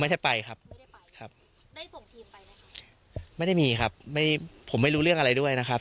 ในทีมของพี่ตั้มไม่ได้มีใครที่จะขึ้นไปเขานะครับ